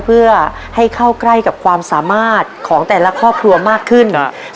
เพื่อให้เข้าใกล้กับความสามารถของแต่ละครอบครัวมากขึ้น